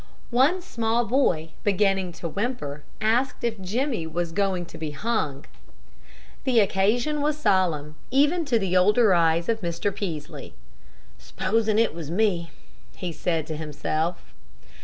One small boy, beginning to whimper, asked if Jimmy was "going to be hung." The occasion was solemn even to the older eyes of Mr. Peaslee. "S'posin' it was me," he said to himself.